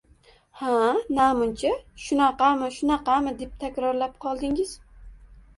Ha, namuncha “shunaqami”, “shunaqami” deb takrorlab qoldingiz!